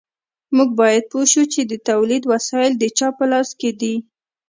موږ باید پوه شو چې د تولید وسایل د چا په لاس کې دي.